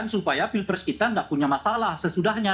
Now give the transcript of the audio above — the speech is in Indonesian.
supaya pilpres kita tidak punya masalah sesudahnya